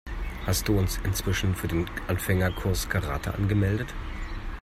Hast du uns inzwischen für den Anfängerkurs Karate angemeldet?